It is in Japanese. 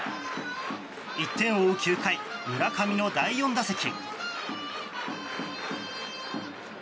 １点を追う９回村上の第４打席。